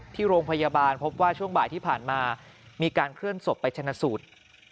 ที่โรงพยาบาลพบว่าช่วงบ่ายที่ผ่านมามีการเคลื่อนศพไปชนะสูตร